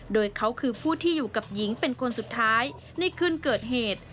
โดยเขาคือผู้ที่อยู่กับหญิงเป็นคนสุดท้ายในคืนเกิดเหตุ